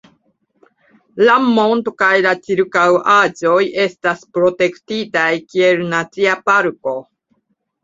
La monto kaj la ĉirkaŭaĵoj estas protektitaj kiel Nacia Parko.